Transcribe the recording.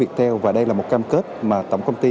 viettel và đây là một cam kết mà tổng công ty